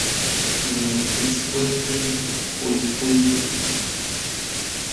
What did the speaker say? Nin itskuintli kuikuiltik.